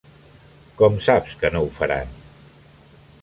Com saps que no ho faran?